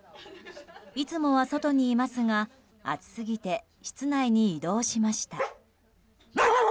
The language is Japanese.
いつもは外にいますが暑すぎて室内に移動しました。